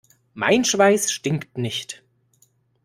Mein Schweiß stinkt nicht.